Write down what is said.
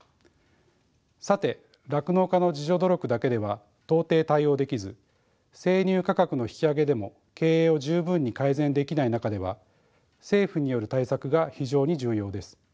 さて酪農家の自助努力だけでは到底対応できず生乳価格の引き上げでも経営を十分に改善できない中では政府による対策が非常に重要です。